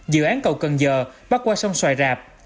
dự án cầu cần giờ bắt qua sông xoài rạp